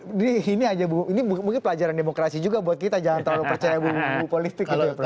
jadi ini aja ini mungkin pelajaran demokrasi juga buat kita jangan terlalu percaya buku politik gitu ya